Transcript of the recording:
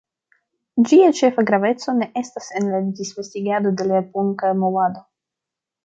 Ĝia ĉefa graveco ne estas en la disvastigado de la punka movado.